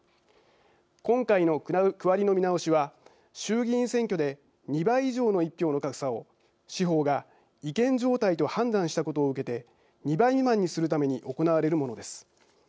今回の区割りの見直しは衆議院選挙で２倍以上の１票の格差を司法が違憲状態と判断したことを受けて２倍未満にするために行われるものです。